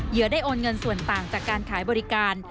ได้โอนเงินส่วนต่างจากการขายบริการ